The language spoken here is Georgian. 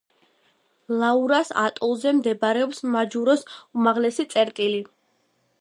ლაურას ატოლზე მდებარეობს მაჯუროს უმაღლესი წერტილი.